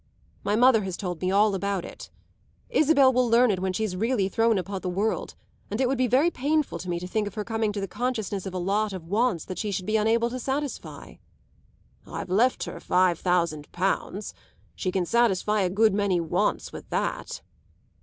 My mother has told me all about it. Isabel will learn it when she's really thrown upon the world, and it would be very painful to me to think of her coming to the consciousness of a lot of wants she should be unable to satisfy." "I've left her five thousand pounds. She can satisfy a good many wants with that."